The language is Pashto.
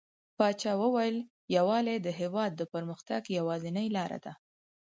پاچا وويل: يووالى د هيواد د پرمختګ يوازينۍ لاره ده .